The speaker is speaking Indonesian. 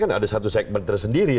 kan ada satu segmen tersendiri